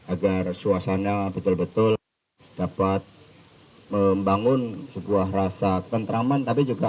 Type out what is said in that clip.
agar suasana betul betul dapat membangun sebuah rasa ketentraman